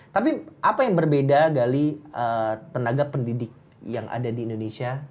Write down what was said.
tapi apa yang berbeda gali tenaga pendidik yang ada di indonesia